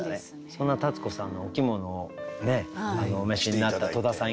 そんな立子さんのお着物をねお召しになった戸田さん